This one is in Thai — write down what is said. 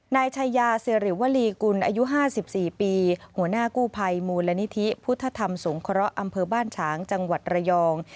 นายชายาสิริวลีกุลอายุ๕๔ปีหัวหน้ากู้ภัยมูลนิธิพุทธธรรมสงเคราะห์อำเภอบ้านฉางจังหวัดระยอง